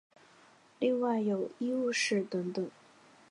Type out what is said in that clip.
另外有医务室等等。